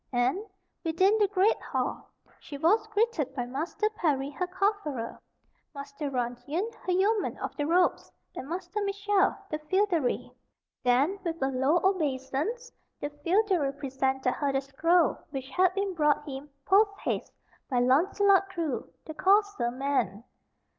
And, within the great hall, she was greeted by Master Parry, her cofferer, Master Runyon, her yeoman of the robes, and Master Mitchell, the feodary. Then, with a low obeisance, the feodary presented her the scroll which had been brought him, post haste, by Launcelot Crue, the courser man.